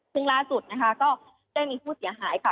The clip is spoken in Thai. ซึ่งล่าสุดนะคะก็ได้มีผู้เสียหายค่ะ